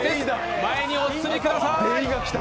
前にお進みください！